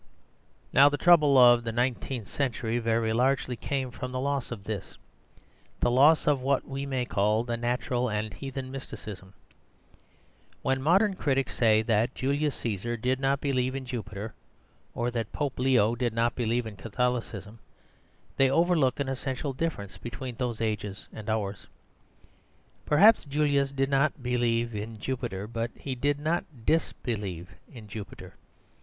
Now the trouble of the nineteenth century very largely came from the loss of this; the loss of what we may call the natural and heathen mysticism. When modern critics say that Julius Caesar did not believe in Jupiter, or that Pope Leo did not believe in Catholicism, they overlook an essential difference between those ages and ours. Perhaps Julius did not believe in Jupiter; but he did not disbelieve in Jupiter.